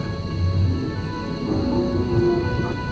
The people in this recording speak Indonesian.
mereka gak saling cinta